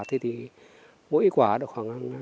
thì thì mỗi quả được khoảng